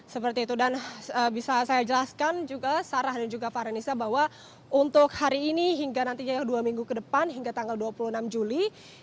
seperti itu dan bisa saya jelaskan juga sarah dan juga farnisa bahwa untuk hari ini hingga nantinya dua minggu ke depan hingga tanggal dua puluh enam juli